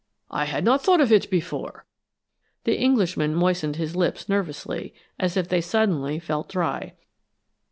I had not thought of it before." The Englishman moistened his lips nervously, as if they suddenly felt dry.